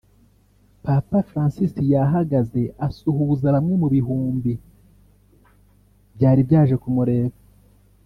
Papa Francis yahagaze asuhuza bamwe mu bihumbi byari byaje kumureba